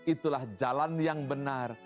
itulah jalan yang benar